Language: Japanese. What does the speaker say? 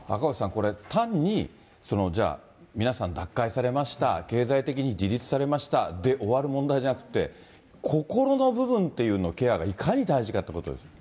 これ、単に、じゃあ、皆さん、脱会されました、経済的に自立されましたで終わる問題ではなくて、心の部分というののケアがいかに大事かってことですね。